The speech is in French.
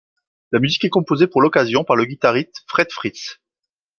La musique est composée pour l'occasion par le guitariste Fred Frith.